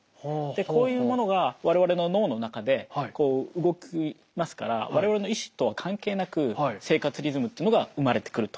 こういうものが我々の脳の中でこう動きますから我々の意思とは関係なく生活リズムっていうのが生まれてくると。